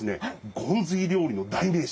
ゴンズイ料理の代名詞